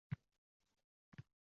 Cho’qmorlar bolg’aga aylanib qoldi.